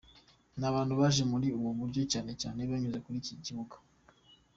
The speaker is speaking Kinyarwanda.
Ni abantu baje muri ubu buryo cyane cyane banyuze kuri iki kibuga.